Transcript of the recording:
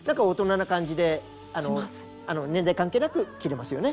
年代関係なく着れますよね。